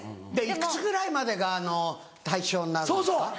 いくつぐらいまでが対象になるんですか？